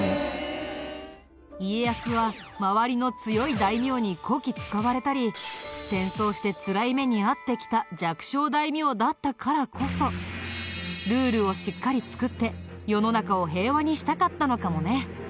家康は周りの強い大名にこき使われたり戦争してつらい目にあってきた弱小大名だったからこそルールをしっかり作って世の中を平和にしたかったのかもね。